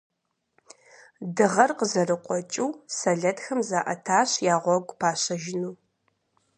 Дыгъэр къызэрыкъуэкӏыу, сэлэтхэм заӏэтащ я гъуэгу пащэжыну.